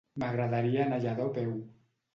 M'agradaria anar a Lladó a peu.